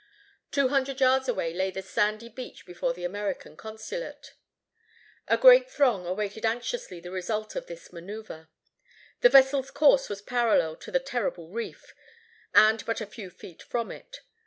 Two hundred yards away lay the sandy beach before the American consulate. A great throng awaited anxiously the result of this manœuvre. The vessel's course was parallel to the terrible reef, and but a few feet from it.